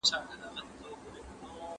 د الله حقونه ادا کول د بنده فلاح ده.